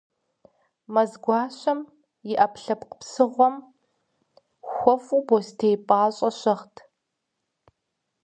Мэзгуащэм, и ӏэпкълъэпкъ псыгъуэм хуэфӏу бостей пӏащӏэ щыгът.